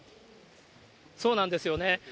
そうなんですよね。